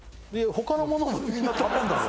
他のものもみんな食べんだぞ